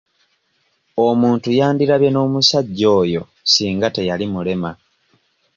Omuntu yandirabye n'omusajja oyo singa teyali mulema.